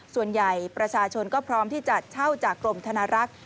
ส่วนใหญ่ประชาชนก็พร้อมที่จะเช่าจากกรมธนารักษ์